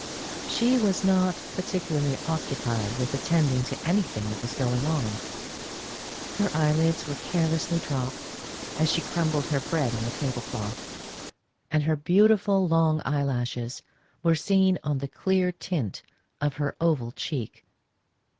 She was not particularly occupied with attending to anything that was going on; her eyelids were carelessly dropped, as she crumbled her bread on the tablecloth, and her beautiful long eyelashes were seen on the clear tint of her oval cheek.